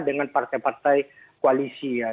dengan partai partai koalisi ya